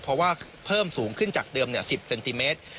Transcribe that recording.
เพราะว่าเพิ่มสูงขึ้นจากเดิม๑๐เซนติเมตร